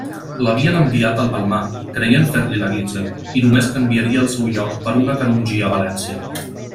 L'havien enviat al Palmar creient fer-li la guitza, i només canviaria el seu lloc per una canongia a València.